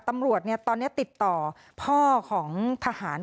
ตำรวจตอนนี้ติดต่อพ่อของทหาร